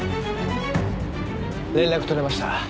連絡取れました。